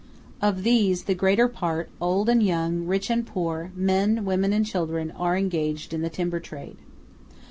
Of these, the greater part, old and young, rich and poor, men, women and children, are engaged in the timber trade.